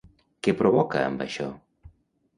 Què provocà amb això?